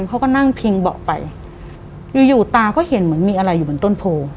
เขาก็นั่งพิงเบาะไปอยู่อยู่ตาก็เห็นเหมือนมีอะไรอยู่บนต้นโพ